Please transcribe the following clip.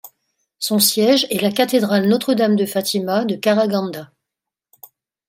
Son siège est la cathédrale Notre-Dame-de-Fatima de Karaganda.